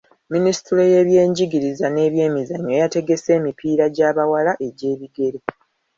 Minisitule y'ebyenjigiriza n'ebyemizannyo yategese emipiira gy'abawala egy'ebigere.